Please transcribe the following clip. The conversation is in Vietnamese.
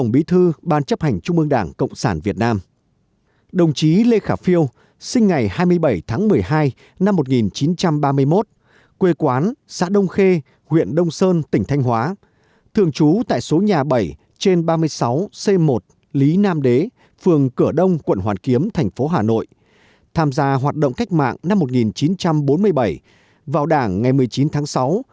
ban chấp hành trung ương đảng cộng sản việt nam quốc hội nước cộng hòa xã hội chủ nghĩa việt nam quyết định tổ chức tăng lễ đồng chí lê khả phiêu với nghi thức quốc tàng